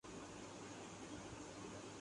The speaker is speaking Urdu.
انہیں روایتی سے زیادہ ایک لبرل تعارف کی ضرت ہے۔